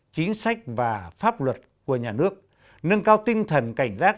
chính sách và pháp luật của nhà nước nâng cao tinh thần cảnh giác